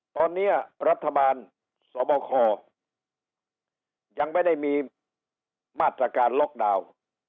ตอนนี้รัฐบาลสบคยังไม่ได้มีมาตรการล็อกดาวน์